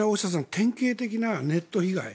典型的なネット被害。